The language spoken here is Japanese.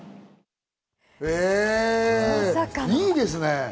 いいですね。